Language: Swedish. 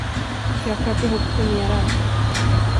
Jag kröp ihop generad.